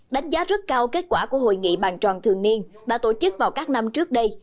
đánh giá rất cao kết quả của hội nghị bàn tròn thường niên đã tổ chức vào các năm trước đây